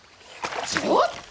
ちょっと！